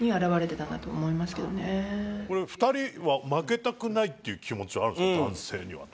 これ２人は負けたくないっていう気持ちはあるんですか？